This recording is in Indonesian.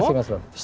terima kasih mas